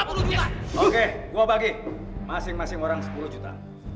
oke gue bagi masing masing orang sepuluh juta